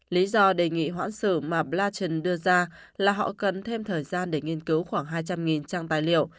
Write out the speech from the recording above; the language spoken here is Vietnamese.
lý do đề nghị khoản xử mà blanchie đưa ra là họ cần thêm thời gian để nghiên cứu khoảng hai trăm linh trang tài liệu